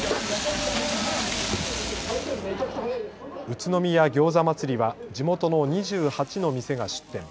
宇都宮餃子祭りは地元の２８の店が出店。